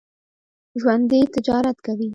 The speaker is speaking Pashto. ژوندي تجارت کوي